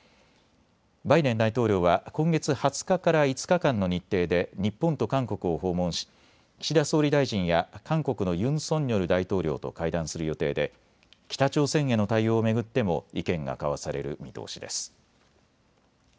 バイデン大統領は今月２０日から５日間の日程で日本と韓国を訪問し岸田総理大臣や韓国のユン・ソンニョル大統領と会談する予定で北朝鮮への対応を巡っても意見が交わされる見通しです。